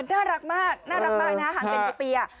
อ่าน่ารักมากน่ารักมากนะฮะหันเก็บเปียร์